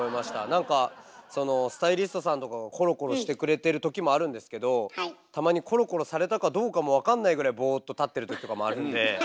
なんかスタイリストさんとかがコロコロしてくれてるときもあるんですけどたまにコロコロされたかどうかもわかんないぐらいボーっと立ってるときとかもあるんで。